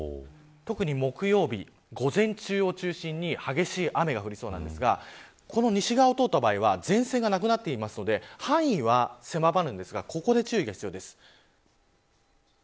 特に木曜日、午前中を中心に激しい雨が降りそうなんですがこの西側を通った場合は前線がなくなっているので範囲は狭まるんですがここで注意が必要です。